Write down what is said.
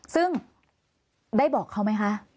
ซึ่งได้บอกเขาไหมคะ